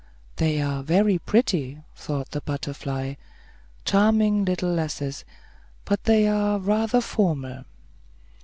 "They are very pretty," thought the butterfly; "charming little lasses; but they are rather formal."